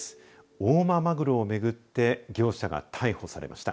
大間まぐろを巡って業者が逮捕されました。